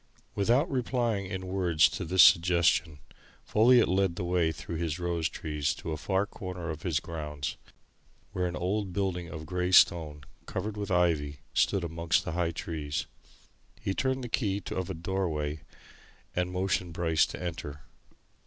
Without replying in words to this suggestion, Folliot led the way through his rose trees to a far corner of his grounds, where an old building of grey stone, covered with ivy, stood amongst high trees. He turned the key of a doorway and motioned Bryce to enter.